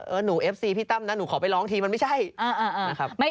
เออหนูเอฟซีพี่ตั้มนะหนูขอไปร้องทีมันไม่ใช่